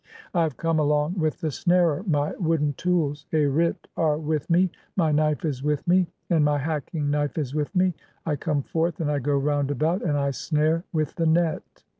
I have come along with the snarer, my wooden "tools (arit) are with me, my knife is with me, (18) and my "hacking knife is with me ; I come forth and I go round about, "and I snare (?) with the Net."